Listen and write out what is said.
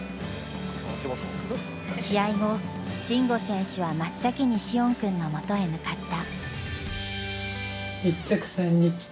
試合後慎吾選手は真っ先に詩音くんのもとへ向かった。